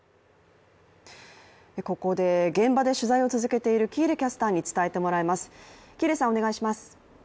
ここで現場で取材を続けている喜入キャスターに伝えてもらいます。